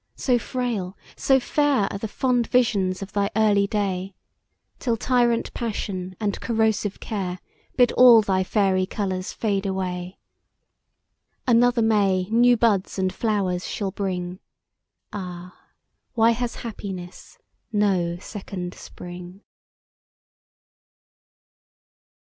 so frail, so fair, Are the fond visions of thy early day, Till tyrant passion and corrosive care Bid all thy fairy colours fade away! Another May new buds and flowers shall bring; Ah! why has happiness no second spring?